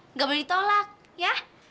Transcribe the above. nggak boleh ditolak ya